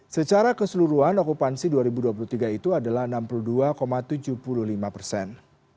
secara keseluruhan okupansi dua ribu dua puluh tiga itu adalah enam puluh dua tujuh puluh lima persen